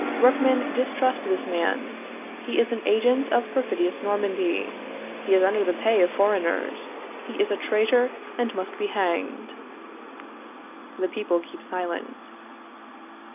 Workmen, distrust this man. He is an agent of perfidious Normandy; he is under the pay of foreigners. He is a traitor, and must be hanged. [The people keep silent.